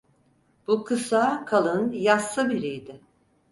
Bu kısa, kalın, yassı biriydi.